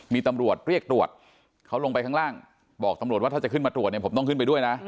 มีตำรวจเรียกตรวจเขาลงไปข้างล่างบอกตำรวจว่าถ้าจะขึ้นมาตรวจเนี่ยผมต้องขึ้นไปด้วยนะ